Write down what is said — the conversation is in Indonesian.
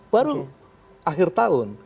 baru akhir tahun